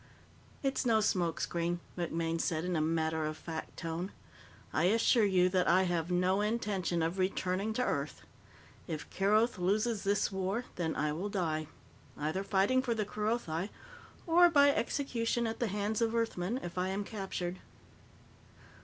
"It's no smoke screen," MacMaine said in a matter of fact tone. "I assure you that I have no intention of returning to Earth. If Keroth loses this war, then I will die either fighting for the Kerothi or by execution at the hands of Earthmen if I am captured.